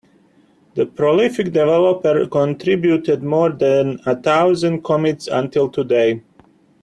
The prolific developer contributed more than a thousand commits until today.